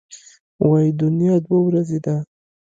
وايي دنیا دوه ورځې ده.